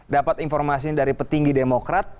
dapat informasi dari petinggi demokrat